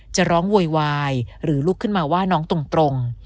จะร้องโวยวายหรือลุกขึ้นมาว่าน้องตรง